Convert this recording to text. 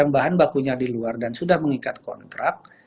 bahan bakunya di luar dan sudah mengikat kontrak